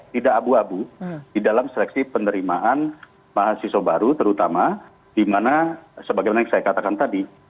tidak abu abu di dalam seleksi penerimaan mahasiswa baru terutama di mana sebagaimana yang saya katakan tadi